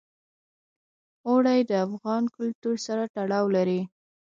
اوړي د افغان کلتور سره تړاو لري.